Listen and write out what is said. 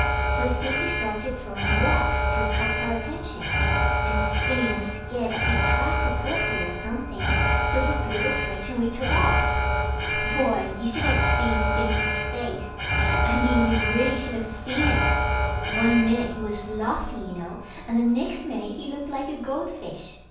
So Stinky started throwing rocks to attract our attention, and Skinny was scared that he'd crack a porthole or something, so he threw the switch and we took off. Boy, you should of seen Stinky's face. I mean you really should of seen it. One minute he was laughing you know, and the next minute he looked like a goldfish.